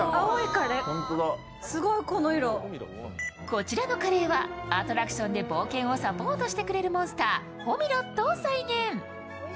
こちらのカレーはアトラクションで冒険をサポートしてくれるモンスター、ホミロットを再現。